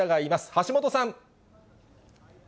橋本さん。